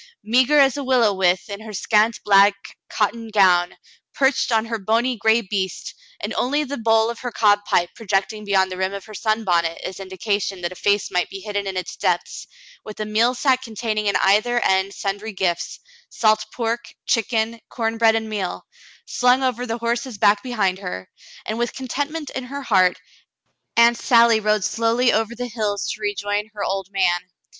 Meagre as a willow withe in her scant black cotton gown, perched on her bony gray beast, and only the bowl of her cob pipe projecting beyond the rim of her sunbonnet as indi cation that a face might be hidden in its depths, with a meal sack containing in either end sundry gifts — salt pork, chicken, corn bread, and meal — slung over the horse's back behind her, and with contentment in her heart. Aunt Sally rode slowly over the hills to rejoin her old man.